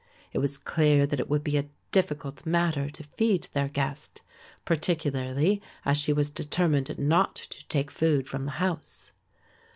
It was clear that it would be a difficult matter to feed their guest, particularly as she was determined not to take food from the house.